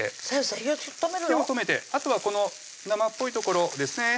火を止めてあとはこの生っぽいところですね